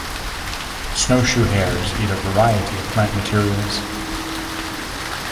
Snowshoe hares eat a variety of plant materials.